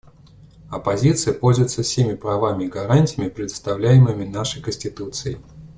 Оппозиция пользуется всеми правами и гарантиями, предоставляемыми нашей Конституцией.